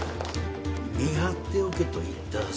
見張っておけと言ったはずだ。